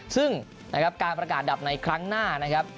ซึ่งการประกาศดับในครั้งหน้า